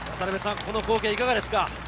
この光景いかがですか？